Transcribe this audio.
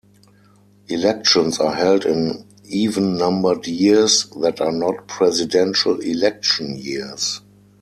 Elections are held in even-numbered years that are not presidential election years.